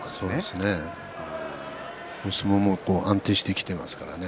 相撲も安定してきていますからね。